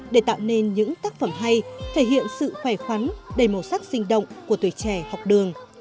để tạo nên những tác phẩm hay thể hiện sự khỏe khoắn đầy màu sắc sinh động của tuổi trẻ học đường